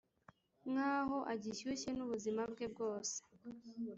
nkaho agishyushye nubuzima bwe bwose.